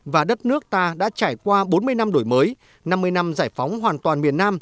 và đất nước ta đã trải qua bốn mươi năm đổi mới năm mươi năm giải phóng hoàn toàn miền nam